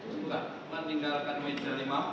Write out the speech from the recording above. tidak meninggalkan meja lima puluh empat